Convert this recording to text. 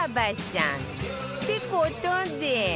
って事で